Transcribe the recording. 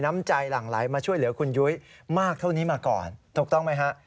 คุณยุ้ยมากเท่านี้มาก่อนถูกต้องไหมฮะ